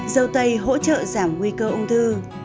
dâu tây hỗ trợ giảm nguy cơ ung thư